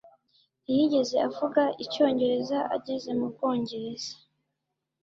Ntiyigeze avuga Icyongereza ageze mu Bwongereza